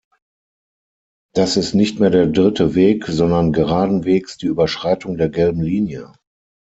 Das ist nicht mehr der dritte Weg, sondern geradenwegs die Überschreitung der gelben Linie.